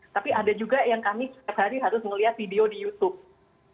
tapi ada juga yang kami setiap hari harus melihat video di youtube